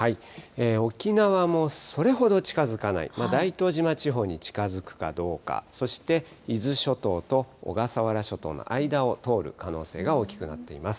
沖縄もそれほど近づかない、大東島地方に近づくかどうか、そして伊豆諸島と小笠原諸島の間を通る可能性が大きくなっています。